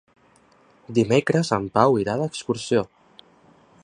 Dimecres en Pau irà d'excursió.